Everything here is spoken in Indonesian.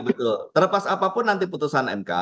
betul terlepas apapun nanti putusan mk